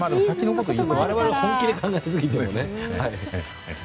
我々が本気で考えすぎてもね。